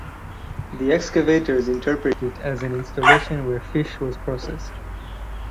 The excavators interpret it as an installation where fish was processed.